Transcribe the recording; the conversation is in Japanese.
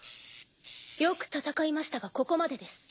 よく戦いましたがここまでです。